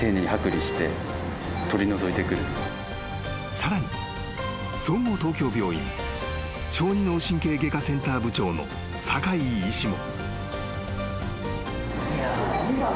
［さらに総合東京病院小児脳神経外科センター部長の酒井医師も］